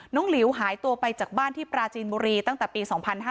หลิวหายตัวไปจากบ้านที่ปราจีนบุรีตั้งแต่ปี๒๕๕๙